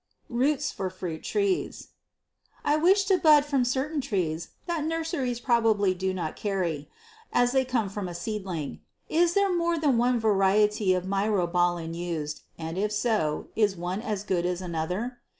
Roots for Fruit Trees. I wish to bud from certain trees that nurseries probably do not carry, as they came from a seedling. Is there more than one variety of myrobalan used, and if so, is one as good as another?